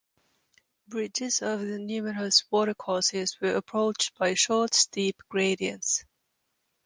Bridges over the numerous watercourses were approached by short steep gradients.